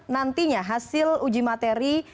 nantinya hasil uji materi